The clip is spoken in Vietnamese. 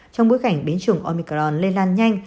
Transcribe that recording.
trong bối cảnh biến chủng omicron lây lan nhanh